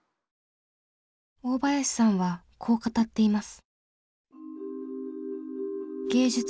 大林さんはこう語っています。